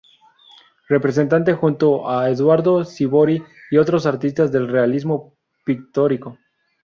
Representante, junto a Eduardo Sívori y otros artistas, del realismo pictórico.